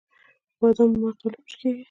د بادامو مغز ولې پوچ کیږي؟